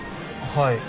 はい。